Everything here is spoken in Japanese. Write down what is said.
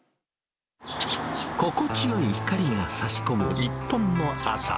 心地よい光がさし込む日本の朝。